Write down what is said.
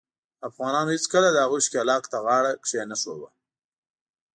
افغانانو هیڅکله د هغوي ښکیلاک ته غاړه کښېنښوده.